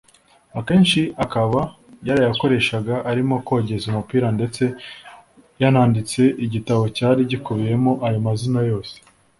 akenshi akaba yarayakoreshaga arimo kogeza umupira ndetse yananditse igitabo cyari gikubiyemo ayo mazina yose